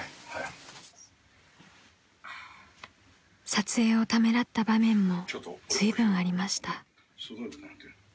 ［撮影をためらった場面もずいぶんありました］